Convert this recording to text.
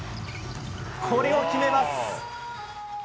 これを決めます。